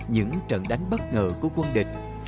những trận đánh bất ngờ của quân địch